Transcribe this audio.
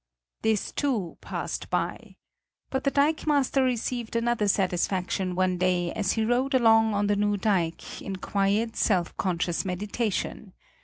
This, too, passed by. But the dikemaster received another satisfaction one day as he rode along on the new dike, in quiet, self conscious meditation.